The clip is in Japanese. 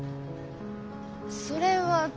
それは。